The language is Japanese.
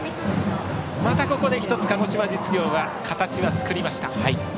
ここで１つ鹿児島実業が形を作りました。